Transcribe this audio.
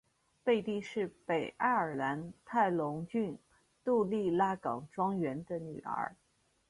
贝蒂是北爱尔兰泰隆郡杜利拉冈庄园的女儿。